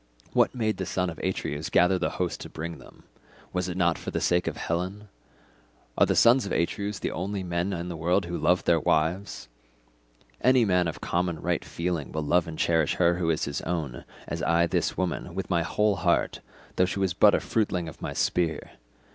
What made the son of Atreus gather the host and bring them? Was it not for the sake of Helen? Are the sons of Atreus the only men in the world who love their wives? Any man of common right feeling will love and cherish her who is his own, as I this woman, with my whole heart, though she was but a fruitling of my spear.